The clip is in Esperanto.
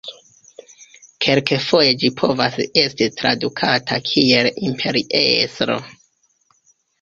Kelkfoje ĝi povas esti tradukata kiel imperiestro.